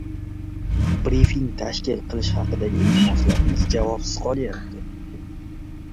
Brifing tashkil qilish haqidagi iltimoslarimiz javobsiz qolyapti.